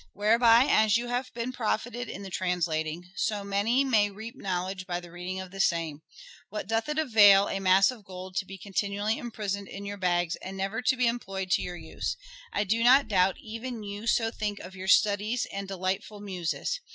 Whereby, as you have been profitted in the translating, so many may reap knowledge by the reading of the same. ... What doth it avail a mass of gold to be continually imprisoned in your bags and never to be employed to your use : I do not doubt even you so think of your studies and delightful Muses.